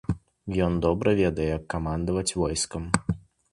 Ён добра ведае, як камандаваць войскам.